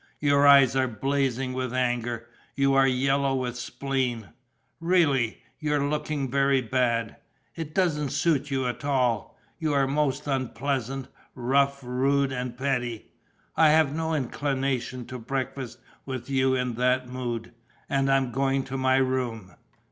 Your eyes are blazing with anger, you are yellow with spleen. Really, you're looking very bad. It doesn't suit you at all. You are most unpleasant, rough, rude and petty. I have no inclination to breakfast with you in that mood. And I'm going to my room."